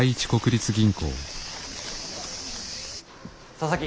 佐々木。